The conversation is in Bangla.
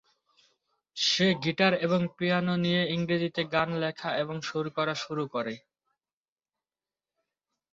সে গীটার এবং পিয়ানো নিয়ে ইংরেজিতে গান লেখা এবং সুর করা শুরু করে।